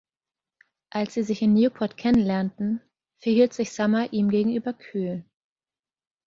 Als sie sich in Newport kennenlernten, verhielt sich Summer ihm gegenüber kühl.